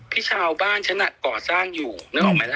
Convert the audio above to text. ที่ชาวบ้านฉันก่อสร้างอยู่นึกออกไหมล่ะ